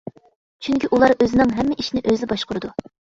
چۈنكى ئۇلار ئۆزىنىڭ ھەممە ئىشىنى ئۆزى باشقۇرىدۇ.